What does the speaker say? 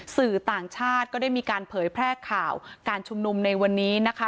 สื่อต่างชาติก็ได้มีการเผยแพร่ข่าวการชุมนุมในวันนี้นะคะ